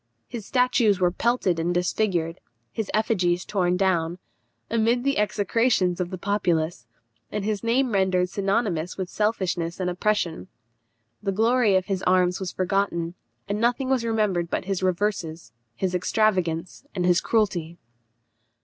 His statues were pelted and disfigured; his effigies torn down, amid the execrations of the populace, and his name rendered synonymous with selfishness and oppression. The glory of his arms was forgotten, and nothing was remembered but his reverses, his extravagance, and his cruelty.